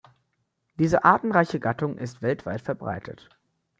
Diese artenreiche Gattung ist weltweit verbreitet.